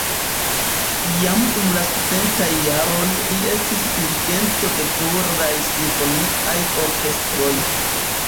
Jam dum la studentaj jaroj li estis dirigento de pluraj simfoniaj orkestroj.